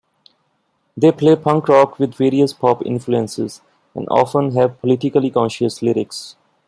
They play punk rock with various pop influences, and often have politically conscious lyrics.